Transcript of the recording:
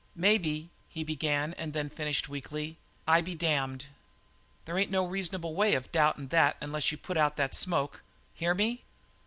"Maybe," he began, and then finished weakly: "I be damned!" "There ain't no reasonable way of doubtin' that unless you put out that smoke. Hear me?"